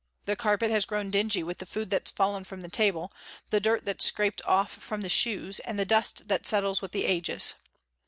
The carpet has grown dingy with the food that's fallen from the table, the dirt that's scraped from off the shoes, and the dust that settles with the ages.